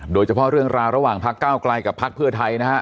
โดยเฉพาะเรื่องราวระหว่างพักเก้าไกลกับพักเพื่อไทยนะฮะ